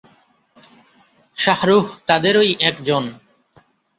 শাহরুখ তাদেরই একজন।